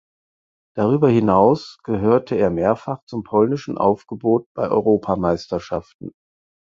Darüber hinaus gehörte er mehrfach zum polnischen Aufgebot bei Europameisterschaften.